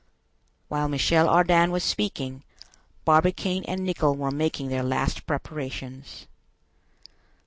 While Michel Ardan was speaking, Barbicane and Nicholl were making their last preparations.